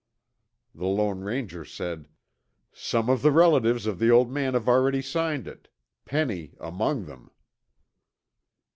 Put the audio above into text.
The Lone Ranger said, "Some of the relatives of the old man have already signed it. Penny among them."